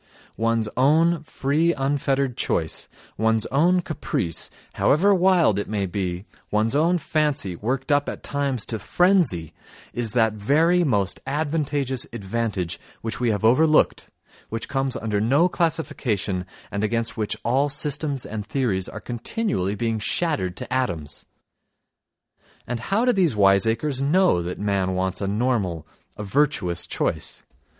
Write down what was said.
One's own free unfettered choice, one's own caprice, however wild it may be, one's own fancy worked up at times to frenzy—is that very "most advantageous advantage" which we have overlooked, which comes under no classification and against which all systems and theories are continually being shattered to atoms. And how do these wiseacres know that man wants a normal, a virtuous choice?